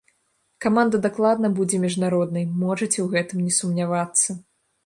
Каманда дакладна будзе міжнароднай, можаце ў гэтым не сумнявацца.